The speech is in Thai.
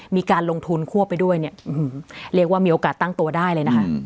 มีการลงทุนคั่วไปด้วยเนี่ยเรียกว่ามีโอกาสตั้งตัวได้เลยนะคะ